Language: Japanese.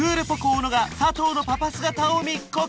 小野が佐藤のパパ姿を密告！